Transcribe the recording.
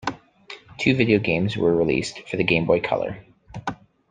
Two video games were released for the Game Boy Color.